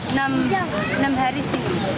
enam hari sih